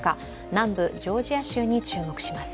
南部ジョージア州に注目します。